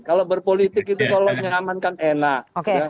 kalau berpolitik itu kalau nyaman kan enak